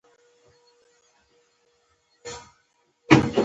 د ژبې د مهارتونو لوړول د فکري قوت د پراختیا لپاره اړین دي.